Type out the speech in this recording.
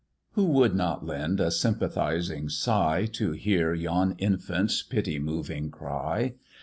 Who would not lend a sympathizing sigh, To hear yon infant's pity moving cry?